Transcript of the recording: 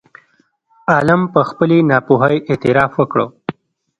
عالم په خپلې ناپوهۍ اعتراف وکړ.